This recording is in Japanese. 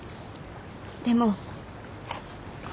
でも